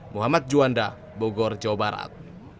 muhammad juanda bogor jawa barat